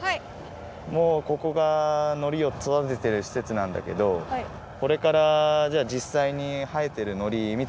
もうここがのりを育ててるしせつなんだけどこれからじゃじっさいにはえてるのりみてみよっか。